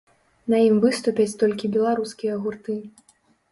На ім выступяць толькі беларускія гурты.